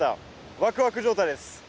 ワクワク状態です！